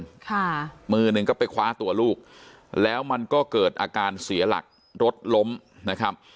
ค่ะมือหนึ่งก็ไปคว้าตัวลูกแล้วมันก็เกิดอาการเสียหลักรถล้มนะครับ